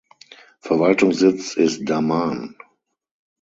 Verwaltungssitz ist Daman.